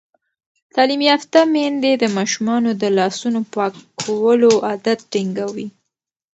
تعلیم یافته میندې د ماشومانو د لاسونو پاکولو عادت ټینګوي.